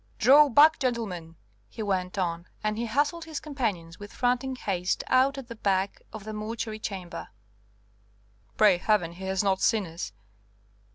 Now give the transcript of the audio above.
"Draw back, gentlemen!" he went on, and he hustled his companions with frantic haste out at the back of the mortuary chamber. "Pray Heaven he has not seen us!